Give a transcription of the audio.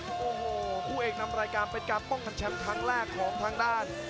โอ้โหคู่เอกนำรายการเป็นการป้องกันแชมป์ครั้งแรกของทางด้าน